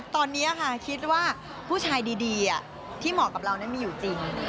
ตอนนี้ค่ะคิดว่าผู้ชายดีที่เหมาะกับเรานั้นมีอยู่จริง